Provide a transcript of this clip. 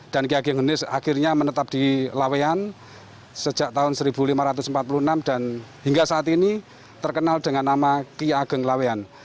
dan ki ageng henis akhirnya menetap di lawian sejak tahun seribu lima ratus empat puluh enam dan hingga saat ini terkenal dengan nama ki ageng lawian